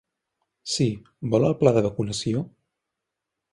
Sí, vol el pla de vacunació?